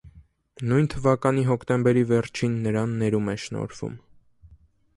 Նույն թվականի հոկտեմբերի վերջին նրան ներում է շնորհվում։